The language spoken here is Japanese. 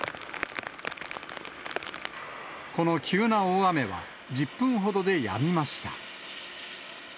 この急な大雨は、１０分ほどでやみました。